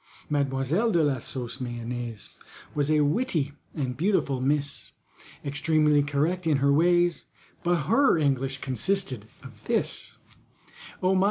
MADEMOISELLE DE LA SAUCE MAYONNAISE Was a witty and beautiful miss, Extremely correct in her ways, But her English consisted of this: "Oh my!